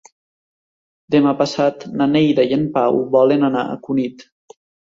Demà passat na Neida i en Pau volen anar a Cunit.